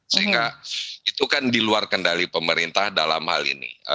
sehingga itu kan diluar kendali pemerintah dalam hal ini